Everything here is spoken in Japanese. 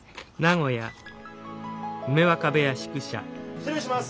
失礼します！